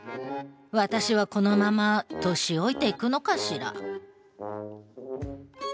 私はこのまま年老いていくのかしら。